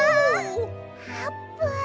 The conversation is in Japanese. あーぷん！